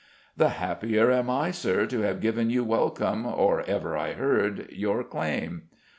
"The happier am I, Sir, to have given you welcome or ever I heard your claim."